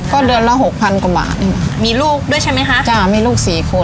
ก็เดือนละหกพันกว่าบาทมีลูกด้วยใช่ไหมคะจ้ะมีลูกสี่คน